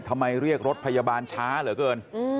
เรียกรถพยาบาลช้าเหลือเกิน